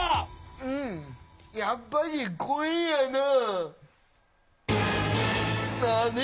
うんやっぱりこれやなあ。